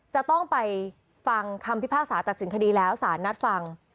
จะต้องไปฟังคำพิพากษาตัดสินคดีแล้วสารนัดฟัง